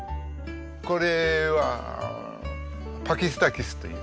これはパキスタキスという。